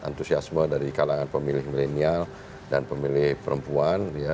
antusiasme dari kalangan pemilih milenial dan pemilih perempuan